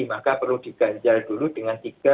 maka perlu diganjal dulu dengan tiga